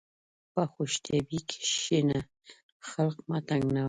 په خوشطبعي کښېنه، خلق مه تنګوه.